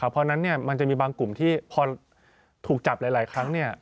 เพราะฉะนั้นมันจะมีบางกลุ่มที่พอถูกจับหลายครั้ง